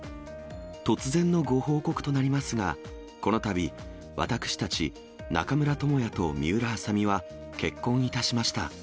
突然のご報告となりますが、このたび、私たち、中村倫也と水卜麻美は結婚いたしました。